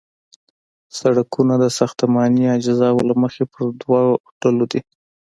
سرکونه د ساختماني اجزاوو له مخې په دوه ډلو دي